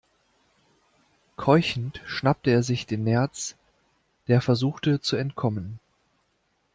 Keuchend schnappte er sich den Nerz, der versuchte zu entkommen.